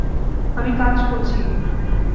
আমি কাজ করছি।